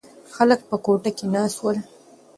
خلک په کوټه کې ناست ول.